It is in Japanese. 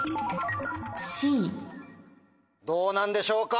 どうなんでしょうか？